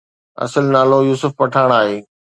اصل نالو يوسف پٺاڻ آهي